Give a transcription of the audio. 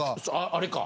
あれか。